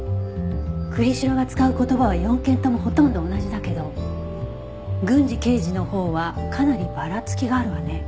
栗城が使う言葉は４件ともほとんど同じだけど郡司刑事のほうはかなりばらつきがあるわね。